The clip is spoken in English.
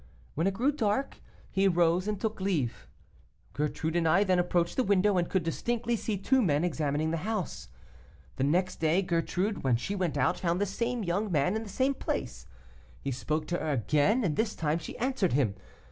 When it grew dark, he rose and took leave. Gertrude and I then approached the window, and could distinctly see two men examining the house. The next day, Gertrude, when she went out, found the same young man in the same place. He spoke to her again, and this time she answered him.